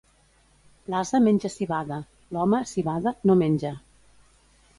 L'ase menja civada; l'home, si bada, no menja.